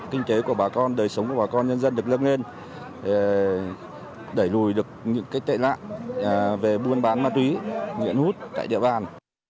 kinh tế của bà con đời sống của bà con nhân dân được lưng lên đẩy lùi được những tệ nạn về buôn bán ma túy nghiện hút tại địa bàn